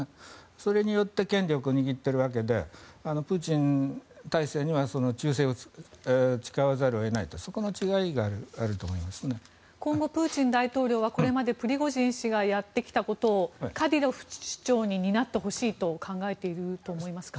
それによって権力を握っているわけでプーチン体制には忠誠を誓わざるを得ない今後、プーチン大統領はこれまでプリゴジン氏がやってきたことをカディロフ首長に担ってほしいと考えていると思いますか？